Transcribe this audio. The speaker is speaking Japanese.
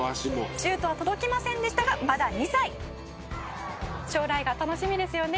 「シュートは届きませんでしたがまだ２歳」「将来が楽しみですよね」